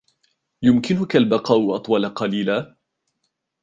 يمكنك البقاء أطول قليلا ؟